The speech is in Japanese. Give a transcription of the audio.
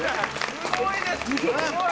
・すごいです！